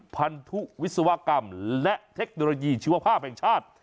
พันธุวิศวกรรมและเทคโนโลยีชีวภาพแห่งชาติ